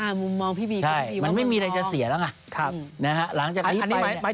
มันไม่มีอะไรจะเสียแล้วนะหลังจากนี้ไป